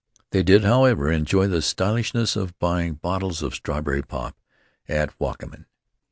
They did, however, enjoy the stylishness of buying bottles of strawberry pop at Wakamin.